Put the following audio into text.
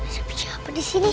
sampai siapa di sini